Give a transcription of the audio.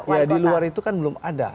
ya di luar itu kan belum ada